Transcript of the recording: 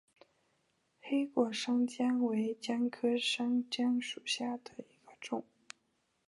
黑果山姜为姜科山姜属下的一个种。